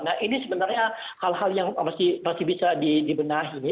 nah ini sebenarnya hal hal yang masih bisa dibenahi